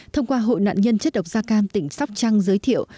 thông qua hội nạn nhân chất độc sa cam tỉnh sóc trang giới thiệu